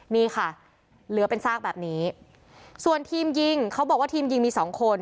นี่ค่ะเหลือเป็นซากแบบนี้ส่วนทีมยิงเขาบอกว่าทีมยิงมีสองคน